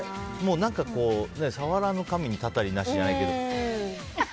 触らぬ神にたたりなしじゃないけど。